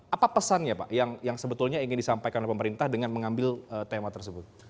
apa pesannya pak yang sebetulnya ingin disampaikan oleh pemerintah dengan mengambil tema tersebut